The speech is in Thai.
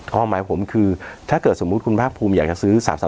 ข้อหมายผมคือถ้าเกิดสมมติคุณพระภูมิอยากจะซื้อ๓๓๓